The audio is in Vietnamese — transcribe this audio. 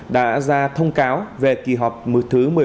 đã ra thông cáo về kỳ họp thứ một mươi bốn